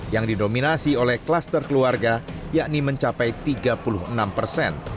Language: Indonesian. yang didominasi oleh klaster keluarga yakni mencapai tiga puluh enam persen